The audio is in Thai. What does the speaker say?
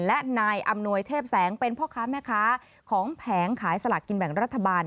และนายอำนวยเทพแสงเป็นพ่อค้าแม่ค้าของแผงขายสลากกินแบ่งรัฐบาล